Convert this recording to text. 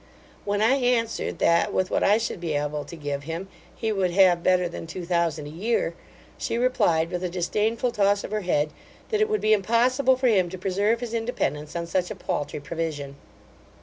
When I answered, that, with what I should be able to give him, he would have better than two thousand a year, she replied, with a disdainful toss of her head, that it would be impossible for him to preserve his independence on such a paultry provision.